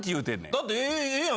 だってええやん。